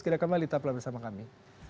kira kira melihat pelan pelan bersama kami